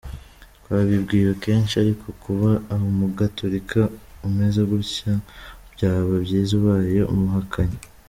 Twabibwiwe kenshi ariko kuba umugatolika umeze gutyo byaba byiza ubaye umuhakanyi.